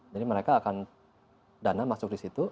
jadi mereka akan dana masuk di situ